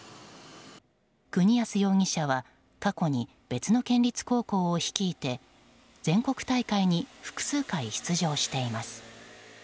国安容疑者は過去に別の県立高校を率いて全国大会に複数回、出場しています。